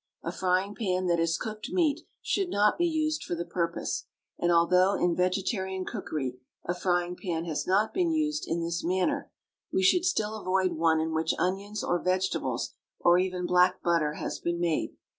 A frying pan that has cooked meat should not be used for the purpose; and although in vegetarian cookery a frying pan has not been used in this manner, we should still avoid one in which onions or vegetables, or even black butter has been made.